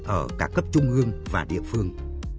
ở các cấp trung ương và địa phương